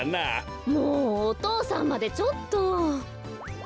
・もうお父さんまでちょっと。